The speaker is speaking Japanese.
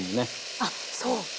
あっそう。